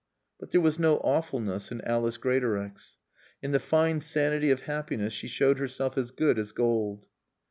But there was no awfulness in Alice Greatorex. In the fine sanity of happiness she showed herself as good as gold.